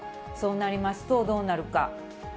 そうなりますと、どうなるか。